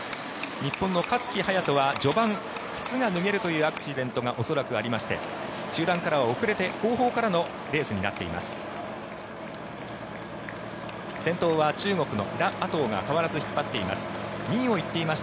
日本の勝木隼人は序盤靴が脱げるというアクシデントが恐らくありまして集団からは遅れて後方からのレースになっています。